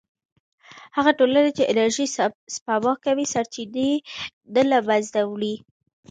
هغه ټولنه چې انرژي سپما کوي، سرچینې نه له منځه وړي.